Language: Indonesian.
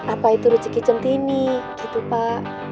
apa itu rezeki centini gitu pak